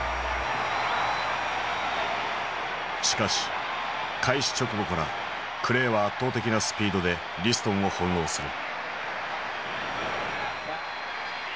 しかし開始直後からクレイは圧倒的なスピードでリストンを翻弄する。